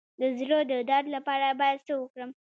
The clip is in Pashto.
د زړه د درد لپاره باید څه وکړم؟